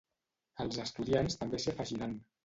Els estudiants també s'hi afegiran.